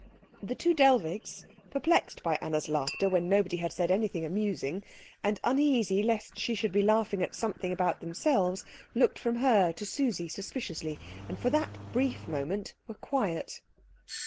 The two Dellwigs, perplexed by Anna's laughter when nobody had said anything amusing, and uneasy lest she should be laughing at something about themselves, looked from her to Susie suspiciously, and for that brief moment were quiet.